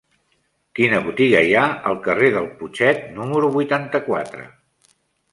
Quina botiga hi ha al carrer del Putxet número vuitanta-quatre?